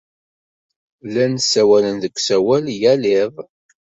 Llan ssawalen deg usawal yal iḍ.